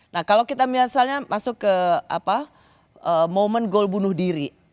nah kalau kita misalnya masuk ke momen gol bunuh diri